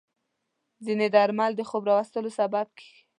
ځینې درمل د خوب راوستلو سبب کېږي.